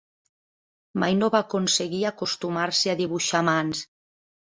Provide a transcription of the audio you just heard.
Mai no va aconseguir acostumar-se a dibuixar mans.